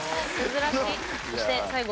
珍しい。